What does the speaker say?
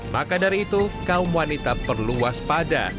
maka dari itu kaum wanita perlu waspada